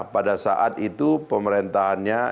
pada saat itu pemerintahannya